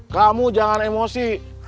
kamu jangan emosi